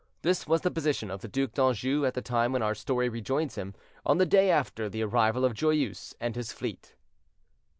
This was the position of the Duc d'Anjou at the time when our story rejoins him, on the day after the arrival of Joyeuse and his fleet.